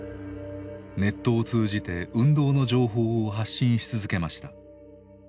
ネットを通じて運動の情報を発信し続けました。